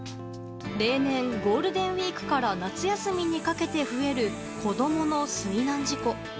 例年、ゴールデンウィークから夏休みにかけて増える子供の水難事故。